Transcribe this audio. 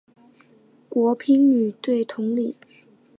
国乒女队同理。